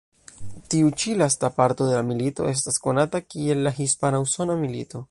Tiu ĉi lasta parto de la milito estas konata kiel la Hispana-usona milito.